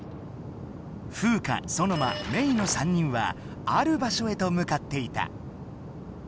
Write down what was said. フウカ・ソノマ・メイの３人はある場所へと向かっていた。